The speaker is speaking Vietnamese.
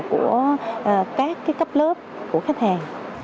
của các cấp lớp của khách hàng